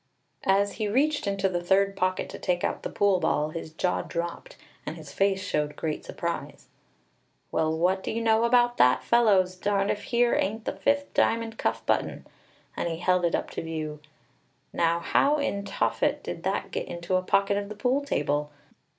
As he reached into the third pocket to take out the pool ball, his jaw dropped, and his face showed great surprise. "Well, what do you know about that, fellows! Darned if here ain't the fifth diamond cuff button!" And he held it up to view. "Now how in Tophet did that get into a pocket of the pool table?